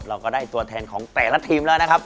เราก็ได้ตัวแทนของแต่ละทีมแล้วนะครับ